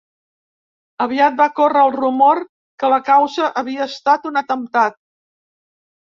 Aviat va córrer el rumor que la causa havia estat un atemptat.